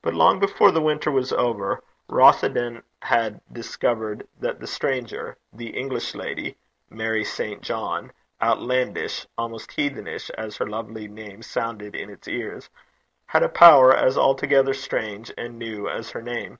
But long before the winter was over, Rothieden had discovered that the stranger, the English lady, Mary St. John, outlandish, almost heathenish as her lovely name sounded in its ears, had a power as altogether strange and new as her name.